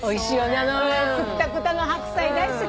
あのくったくたの白菜大好き。